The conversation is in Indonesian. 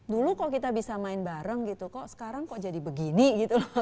dulu kok kita bisa main bareng gitu kok sekarang kok jadi begini gitu loh